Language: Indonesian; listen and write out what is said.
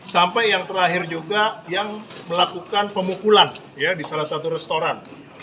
sampai yang terakhir juga yang melakukan pemukulan di salah satu restoran